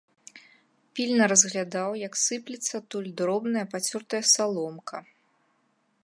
Пільна разглядаў, як сыплецца адтуль дробная, пацёртая саломка.